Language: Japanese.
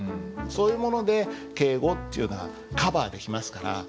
そういうもので敬語っていうのはカバーできますから。